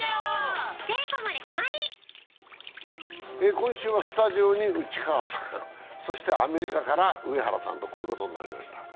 今週はスタジオに内川さんそしてアメリカから上原さんと、こういうことになりました。